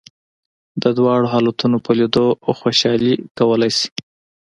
د دواړو حالتونو په لیدلو خوشالي کولای شې.